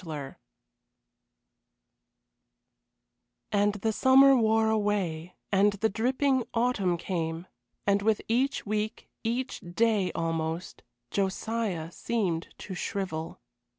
XXX And the summer wore away and the dripping autumn came, and with each week, each day almost, Josiah seemed to shrivel.